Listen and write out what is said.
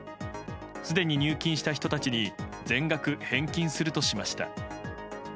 すでに入金した人たちに全額返金するとしました。